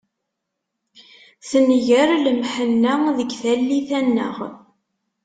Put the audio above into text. Tenger lemḥenna deg tallit-a-nneɣ.